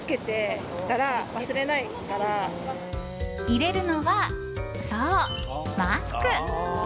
入れるのはそう、マスク。